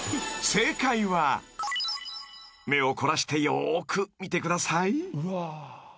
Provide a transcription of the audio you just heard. ［目を凝らしてよーく見てください］